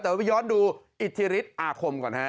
แต่ว่าย้อนดูอิทธิฤทธอาคมก่อนฮะ